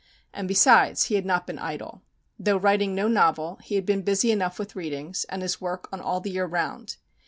And besides he had not been idle. Though writing no novel, he had been busy enough with readings, and his work on All the Year Round.